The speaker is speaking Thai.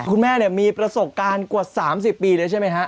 คุณแม่มีประสบการณ์กว่า๓๐ปีเลยใช่ไหมฮะ